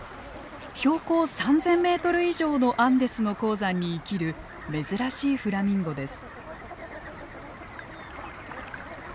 標高３，０００メートル以上のアンデスの高山に生きる珍しいフラミンゴです。